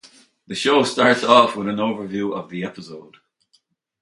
The show starts off with an overview of the episode.